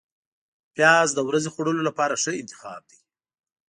پیاز د ورځې خوړلو لپاره ښه انتخاب دی